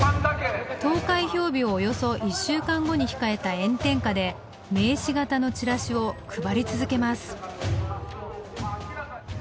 投開票日をおよそ１週間後に控えた炎天下で名刺形のチラシを配り続けます。